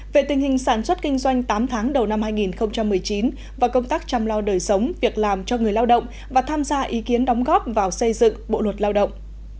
về tình hình sản xuất kinh doanh tám tháng đầu năm hai nghìn một mươi chín và công tác chăm lo đời sống việc làm cho người lao động và tham gia ý kiến đóng góp vào xây dựng bộ luật lao động